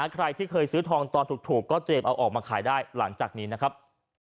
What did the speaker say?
ใครที่เคยซื้อทองตอนถูกก็เตรียมเอาออกมาขายได้หลังจากนี้นะครับ